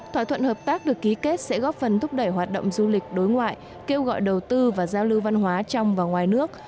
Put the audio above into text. thỏa thuận hợp tác được ký kết sẽ góp phần thúc đẩy hoạt động du lịch đối ngoại kêu gọi đầu tư và giao lưu văn hóa trong và ngoài nước